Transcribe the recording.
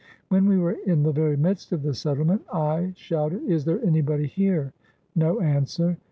When we were in the very midst of the settlement I shouted, "Is there anybody here?" No answer.